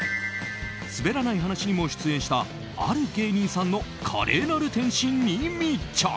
「すべらない話」にも出演したある芸人さんの華麗なる転身に密着。